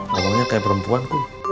ngomongnya kayak perempuan